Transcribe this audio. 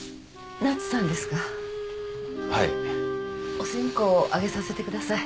お線香上げさせてください。